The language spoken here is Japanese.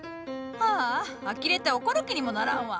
はああきれて怒る気にもならんわ。